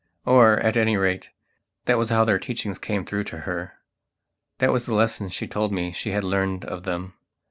Or, at any rate, that was how their teachings came through to herthat was the lesson she told me she had learned of them.